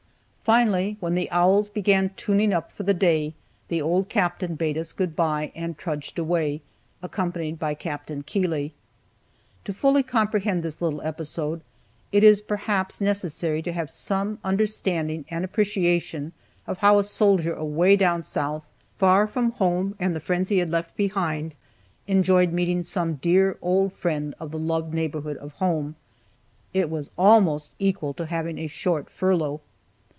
Finally, when the owls began tuning up for day, the old Captain bade us good by, and trudged away, accompanied by Capt. Keeley. To fully comprehend this little episode, it is, perhaps, necessary to have some understanding and appreciation of how a soldier away down south, far from home and the friends he had left behind, enjoyed meeting some dear old friend of the loved neighborhood of home. It was almost equal to having a short furlough.